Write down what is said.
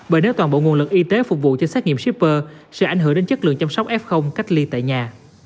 bởi nếu toàn bộ nguồn lực y tế phục vụ cho xét nghiệm shipper sẽ ảnh hưởng đến chất lượng chăm sóc f cách ly tại nhà